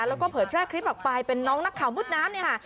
แล้วก็เผยแพร่คลิปออกไปเป็นน้องนักข่าวมืดน้ำเนี่ยค่ะ